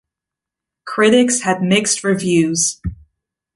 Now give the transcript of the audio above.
Critics had mixed reviews.